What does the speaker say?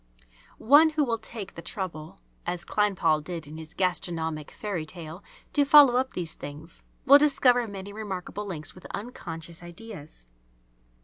One who will take the trouble, as Kleinpaul did in his "Gastronomic Fairy tale," to follow up these things, will discover many remarkable links with unconscious ideas.